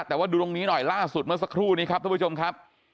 แต่ว่าดูตรงนี้หน่อยล่าสุดเมื่อสักครู่นี้ครับท่านผู้ชมครับ